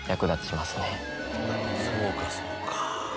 そうかそうか。